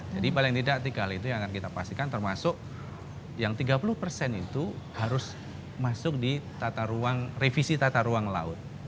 jadi paling tidak tiga hal itu yang akan kita pastikan termasuk yang tiga puluh itu harus masuk di revisi tata ruang laut